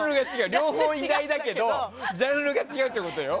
両方偉大だけどジャンルが違うってことよ。